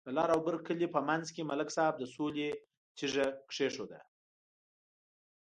د لر او بر کلي په منځ کې ملک صاحب د سولې تیگه کېښوده.